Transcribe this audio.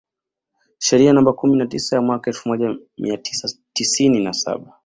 Sheria namba kumi na tisa ya mwaka elfu moja mia tisa tisini na saba